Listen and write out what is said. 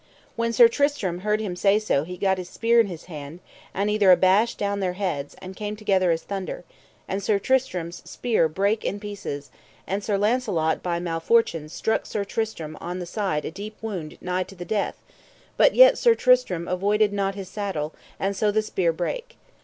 When Sir Tristram heard him say so he gat his spear in his hand, and either abashed down their heads, and came together as thunder; and Sir Tristram's spear brake in pieces, and Sir Launcelot by malfortune struck Sir Tristram on the side a deep wound nigh to the death; but yet Sir Tristram avoided not his saddle, and so the spear brake.